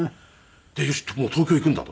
でよしもう東京行くんだと。